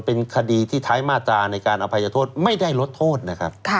เป็นคดีที่ท้ายมาตราในการอภัยโทษไม่ได้ลดโทษนะครับ